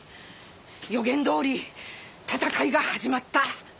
予言どおり戦いが始まった。